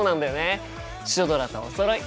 シュドラとおそろい！